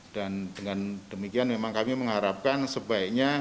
dan dengan demikian memang kami mengharapkan sebaiknya